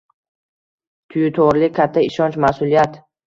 Tyutorlik - katta ishonch, ma’suliyat...ng